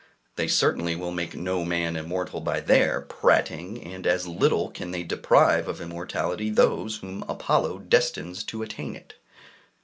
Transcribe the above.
they certainly will make no man immortal by their prating, and as little can they deprive of immortality those whom Apollo destines to attain it.